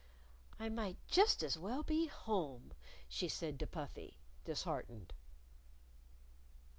"I might just as well be home," she said to Puffy, disheartened.